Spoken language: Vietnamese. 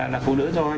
là phụ nữ rồi